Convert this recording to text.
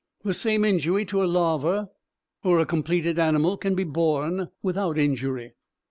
The same injury to a larva or a completed animal can be borne without injury.